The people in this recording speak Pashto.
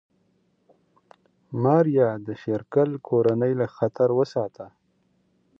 ماريا د شېرګل کورنۍ له خطر وساتله.